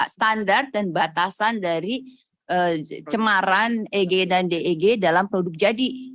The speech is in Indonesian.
standar dan batasan dari cemaran eg dan deg dalam produk jadi